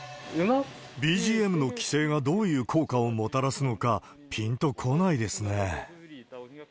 ＢＧＭの規制がどういう効果をもたらすのか、ぴんとこないですね。